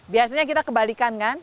biasanya kita kebalikan kan